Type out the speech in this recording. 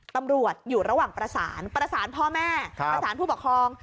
ตำรวจอยู่ระหว่างประสานประสานพ่อแม่ประสานผู้ปกครอง